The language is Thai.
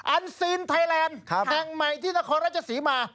อันซีนไทยแลนด์แห่งใหม่ที่นครราชศรีมา